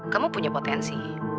kamu punya potensi